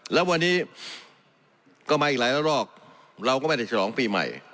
แล้ววันนี้ก็มาอีกหลายรอบเราก็ไม่ได้ฉลองปีใหม่